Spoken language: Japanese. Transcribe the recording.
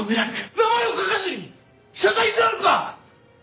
名前も書かずに謝罪になるか！